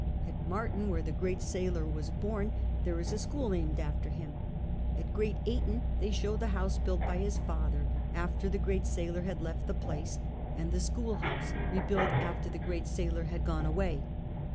At Marton, where the great sailor was born, there is a school named after him. At Great Ay ton they show the house built by his father, aftci the great sailor had left the place, and the schoolhoiise, rebuilt after the great sailor had gone away.